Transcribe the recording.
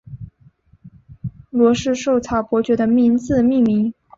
罗氏绶草伯爵的名字命名。